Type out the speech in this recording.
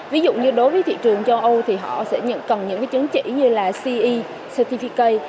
ví dụ như đối với thị trường châu âu thì họ sẽ nhận cần những chứng chỉ như là ce cttk